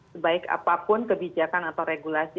sebaik apapun kebijakan atau regulasi